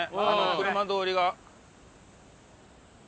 車通りが。